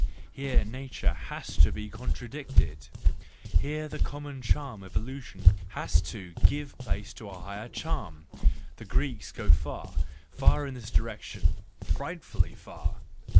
Here nature has to be contradicted! Here the common charm of illusion has to give place to a higher charm! The Greeks go far, far in this direction —frightfully far!